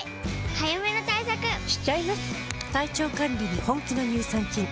早めの対策しちゃいます。